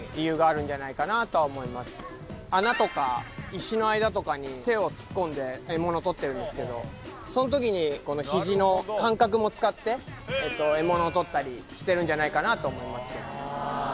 穴とか石の間とかに手を突っ込んで獲物をとってるんですけどその時にこのヒジの感覚も使って獲物をとったりしてるんじゃないかなと思いますね。